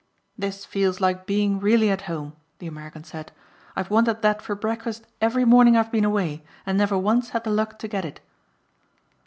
"This feels like being really at home," the American said. "I have wanted that for breakfast every morning I've been away and never once had the luck to get it."